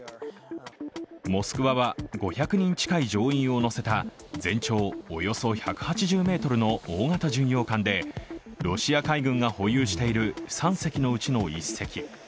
「モスクワ」は、５００人近い乗員を乗せた全長およそ１８０ｍの大型巡洋艦でロシア海軍が保有している３隻のうちの１隻。